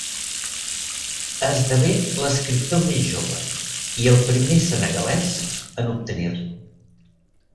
Esdevé l'escriptor més jove, i el primer senegalès, en obtenir-lo.